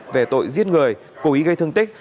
về tội giết người cố ý gây thương tích